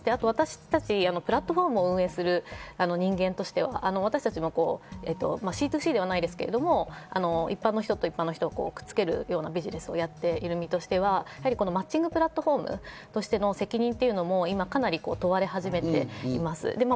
私たちプラットフォームを運営する人間としては私たちのＣｔｏＣではないですけど、一般の人と一般の人をくっつけるようなビジネスをやっている身としてはマッチングプラットフォームとしての責任というのもかなり問われ始めています。